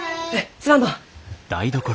すまんのう。